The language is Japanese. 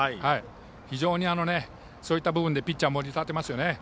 非常にそういった部分でピッチャーを盛り立てますね。